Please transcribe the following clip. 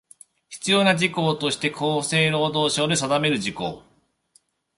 必要な事項として厚生労働省令で定める事項